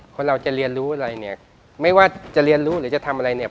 คนเราจะเรียนรู้อะไรเนี่ยไม่ว่าจะเรียนรู้หรือจะทำอะไรเนี่ย